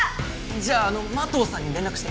じゃああの麻藤さんに連絡して。